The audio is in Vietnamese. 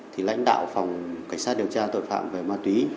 thì lãnh đạo phòng cảnh sát điều tra tội phạm về ma túy